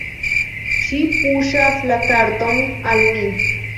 Ŝi puŝas la karton al mi.